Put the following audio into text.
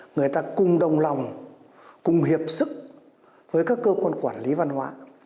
người ta cùng đồng lòng cùng hiệp sức với các cơ quan quản lý văn hóa